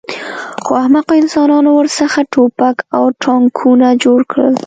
خو احمقو انسانانو ورڅخه ټوپک او ټانکونه جوړ کړل